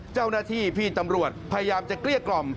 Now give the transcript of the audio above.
เจ้าหน้าที่พี่ตำรวจพยายามจะเกลี้ยกล่อม